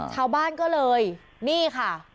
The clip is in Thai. ชาวบ้านก็เลยนี่ค่ะ